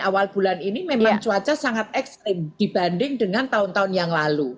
awal bulan ini memang cuaca sangat ekstrim dibanding dengan tahun tahun yang lalu